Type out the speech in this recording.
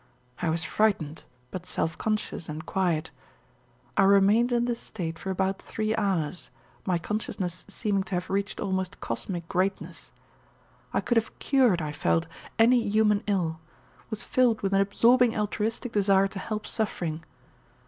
I was frightened but self conscious and quiet. I remained in this state for about three hours, my consciousness seeming to have reached almost cosmic greatness. I could have cured, I felt, any human ill, was filled with an absorbing altruistic desire to help suffering.